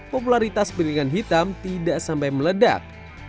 popularitas piringan hitam tidak sampai meledak